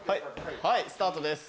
はいスタートです。